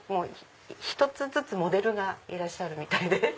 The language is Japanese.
１つずつモデルがいるみたいで。